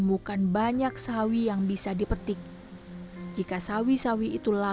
bekasnya itu ngebom dikasih sama